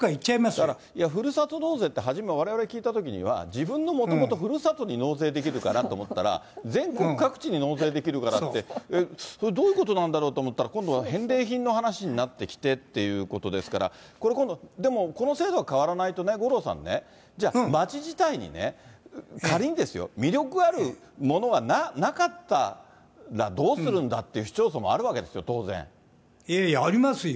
だからふるさと納税って、初め、われわれが聞いたときには、自分のもともとふるさとに納税できるかなと思ったら、全国各地に納税できるからって、それ、どういうことなんだろうと思ったら、今度は返礼品の話になってきてっていうことですから、これ今度、でもこの制度が変わらないとね、五郎さんね、じゃあ、町自体にね、仮にですよ、魅力あるものがなかったらどうするんだっていう市町村もあるわけいやいや、ありますよ。